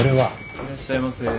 ・いらっしゃいませ。